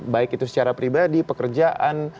baik itu secara pribadi pekerjaan